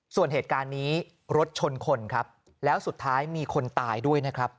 ส่วนเหตุการณ์นี้รถชนคนครับแล้วสุดท้ายมีคนตายด้วยนะครับ